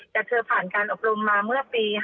แต่เธอผ่านการอบรมมาเมื่อปี๕๗